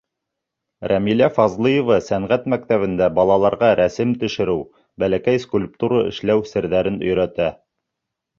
Рәмилә Фазлыева сәнғәт мәктәбендә балаларға рәсем төшөрөү, бәләкәй скульптура эшләү серҙәрен өйрәтә.